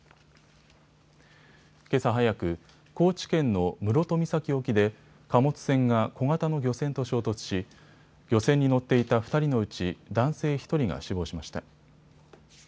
けさ早く、高知県の室戸岬沖で貨物船が小型の漁船と衝突し漁船に乗っていた２人のうち男性１人が死亡しました。